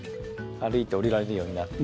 歩いて下りられるようになって。